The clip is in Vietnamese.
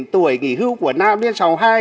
tuổi nghỉ hưu của nam lên sáu mươi hai